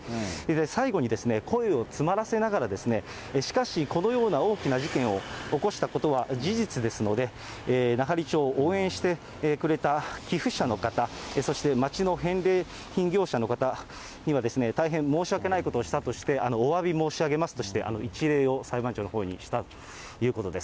最後にですね、声を詰まらせながらですね、しかし、このような大きな事件を起こしたことは事実ですので、奈半利町を応援してくれた寄付者の方、そして町の返礼品業者の方にはですね、大変申し訳ないことをしたとして、おわび申し上げますとして、一礼を裁判長のほうにしたということです。